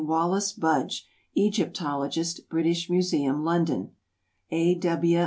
Wallis Budge, Egyptologist, British Museum, London; A. W.